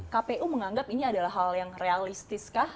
kpu menganggap ini adalah hal yang realistiskah